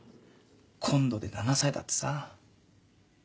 今度で７歳だってさ。